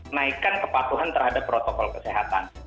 naikkan kepatuhan terhadap protokol kesehatan